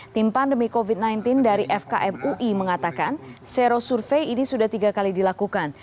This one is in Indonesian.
tim pandemi covid sembilan belas dari fkm ui mengatakan sero survei ini sudah tiga kali dilakukan